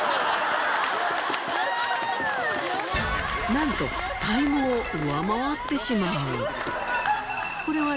なんとタイムを上回ってしまう。